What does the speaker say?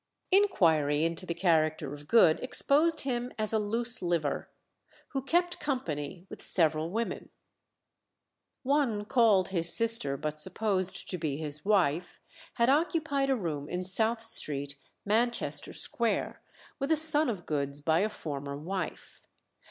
Inquiry into the character of Good exposed him as a loose liver, who "kept company" with several women. One called his sister, but supposed to be his wife, had occupied a room in South Street, Manchester Square, with a son of Good's by a former wife.